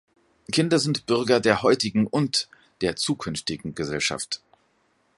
Kinder sind Bürger der heutigen und der zukünftigen Gesellschaft.